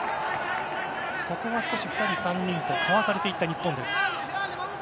ここは少し２人、３人とかわされていった日本です。